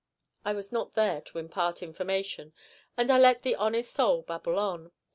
I was not there to impart information, and I let the honest soul babble on.